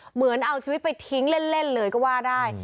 เหมือนเอาชีวิตไปทิ้งเล่นเลยก็ว่าได้